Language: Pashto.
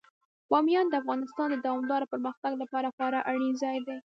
بامیان د افغانستان د دوامداره پرمختګ لپاره خورا اړین ځای دی.